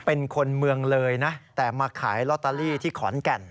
เป็นคนเมืองเลยนะแต่มาขายลอตเตอรี่ที่ขอนแก่น